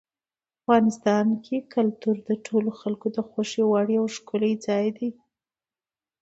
افغانستان کې کلتور د ټولو خلکو د خوښې وړ یو ښکلی ځای دی.